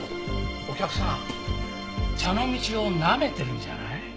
お客さん茶の道をなめてるんじゃない？